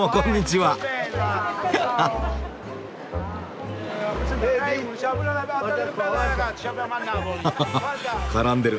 ははは絡んでる。